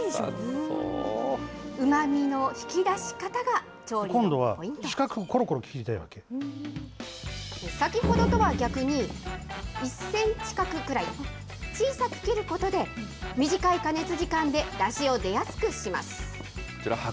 うまみの引き出し方が調理の先ほどとは逆に、１センチ角くらい、小さく切ることで、短い加熱時間でだしを出やすくします。